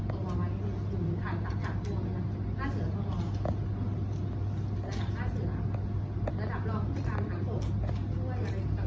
ก็ไม่อยากใช้ประจานแสง